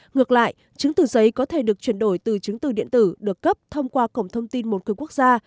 ngược lại chứng từ giấy có thể được chuyển đổi từ chứng từ điện tử được cấp thông qua cổng thông tin một cửa quốc gia